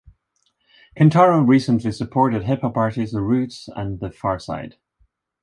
Kentaro recently supported hip-hop artists The Roots and The Pharcyde.